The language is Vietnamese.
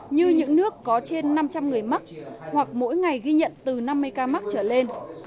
như những nước có trên năm trăm linh người mắc hoặc mỗi ngày ghi nhận từ năm mươi ca mắc trở lên